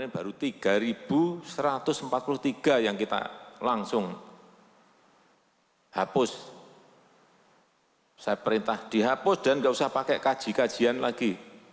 saya perintah dihapus dan gak usah pakai kajian kajian lagi